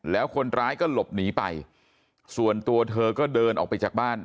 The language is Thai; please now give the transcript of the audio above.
แล้วคนร้ายก็หลบหนีไปส่วนตัวเธอก็เดินออกไปจากบ้าน